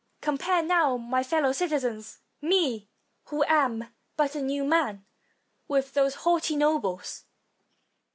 Compare now, my fellow citizens, me, who am but a new man, with those haughty nobles.